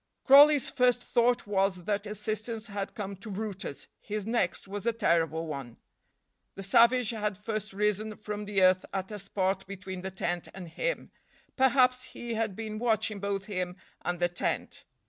Crawley's first thought was that assistance had come to brutus; his next was a terrible one. The savage had first risen from the earth at a spot between the tent and him. Perhaps he had been watching both him and the tent.